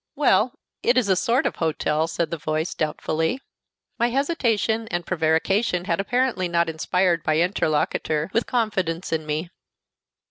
"Well, it is a sort of hotel," said the voice, doubtfully. My hesitation and prevarication had apparently not inspired my interlocutor with confidence in me.